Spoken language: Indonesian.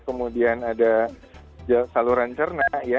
kemudian ada saluran cerna